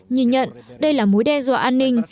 nhìn nhận đây là mối đe dọa an ninh